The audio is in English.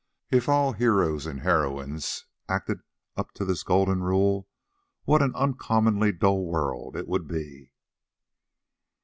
if all heroes and heroines acted up to this golden rule, what an uncommonly dull world it would be!